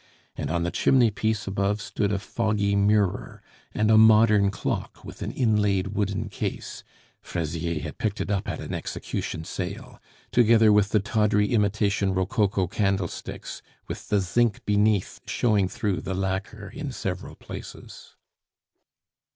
And on the chimney piece above stood a foggy mirror and a modern clock with an inlaid wooden case; Fraisier had picked it up at an execution sale, together with the tawdry imitation rococo candlesticks, with the zinc beneath showing through the lacquer in several places.